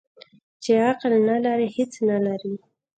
ـ چې عقل نه لري هېڅ نه لري.